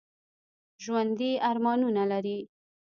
ژوندي ارمانونه لري